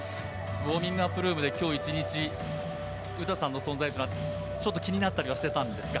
ウォーミングアップルームで今日１日詩さんの存在がちょっと気になっていたりはしてたんですか。